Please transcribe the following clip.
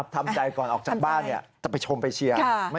ทำใจก่อนออกจากบ้านจะไปชมไปเชียร์